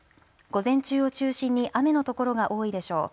午前中を中心に雨の所が多いでしょう。